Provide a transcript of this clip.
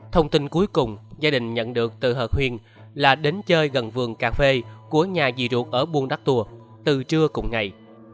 thông tin cuối cùng gia đình nhận được từ hợp huyền là đến chơi gần vườn cà phê của nhà dị ruột ở buôn đắc tùa từ trưa cùng ngày